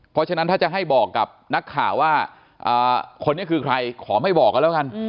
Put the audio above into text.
เพราะฉะนั้นถ้าจะให้บอกกับนักข่าวว่าคนนี้คือใครขอไม่บอกกันแล้วกัน